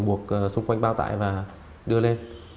buộc xung quanh bao tải và đưa lên